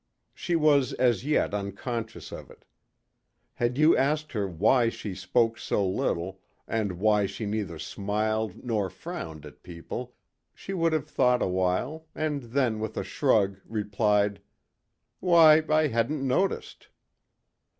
She was as yet unconscious of it. Had you asked her why she spoke so little and why she neither smiled nor frowned at people she would have thought a while and then with a shrug replied, "Why, I hadn't noticed."